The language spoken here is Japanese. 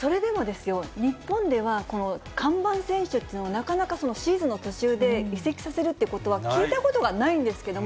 それでもですよ、日本では看板選手というのをなかなかシーズンの途中で移籍させるってことは聞いたことがないんですけども、